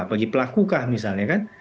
bagi pelaku kah misalnya kan